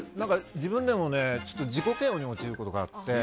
自分でも自己嫌悪に陥ることがあって。